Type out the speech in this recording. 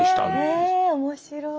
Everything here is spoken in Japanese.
え面白い。